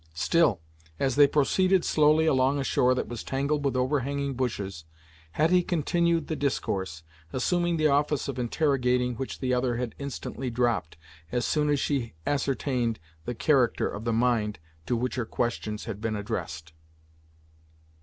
Still, as they proceeded slowly along a shore that was tangled with overhanging bushes, Hetty continued the discourse, assuming the office of interrogating which the other had instantly dropped, as soon as she ascertained the character of the mind to which her questions had been addressed.